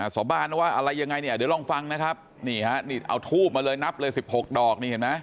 สอบานว่าอะไรยังไงเดี๋ยวลองฟังนะครับเอาทูปมาเลยนับเลย๑๖ดอก